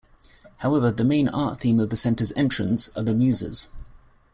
However, the main art theme of the Center's entrance are "The Muses".